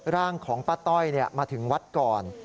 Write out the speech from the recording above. ร่างของป้าต้อยมาถึงวัดก่อน